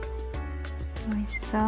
おいしそう！